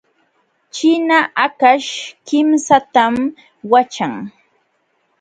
Ćhina hakaśh kimsatam waćhan.